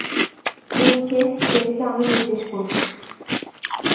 ওদিকে, যেদিকে আমি নির্দেশ করছি।